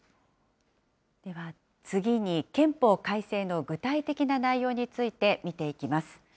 では次に、憲法改正の具体的な内容について見ていきます。